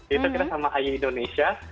itu kita sama iu indonesia